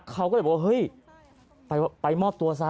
เขาก็เลยบอกว่าเฮ้ยไปมอบตัวซะ